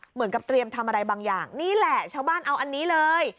เหมือนกับเตรียมทำอะไรบางอย่างนี่แหละชาวบ้านเอาอันนี้เลย